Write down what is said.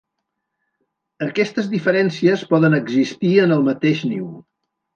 Aquestes diferències poden existir en el mateix niu.